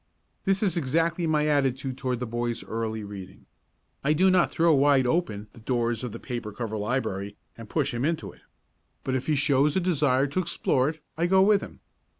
This is exactly my attitude toward the boy's early reading. I do not throw wide open the doors of the paper cover library and push him into it. But if he shows a desire to explore it, I go with him.